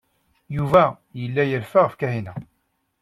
Yuba yelle yerfa ɣef Kahina.